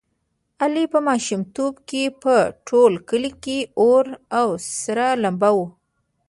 علي په ماشومتوب کې په ټول کلي کې اور او سره لمبه و.